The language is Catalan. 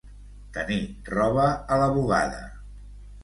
Tenir roba a la bugada.